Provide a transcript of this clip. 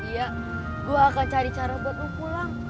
iya gue akan cari cara buat aku pulang